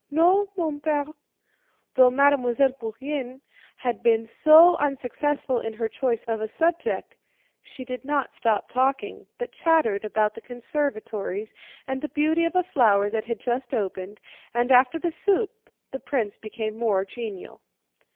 "No, mon père." Though Mademoiselle Bourienne had been so unsuccessful in her choice of a subject, she did not stop talking, but chattered about the conservatories and the beauty of a flower that had just opened, and after the soup the prince became more genial.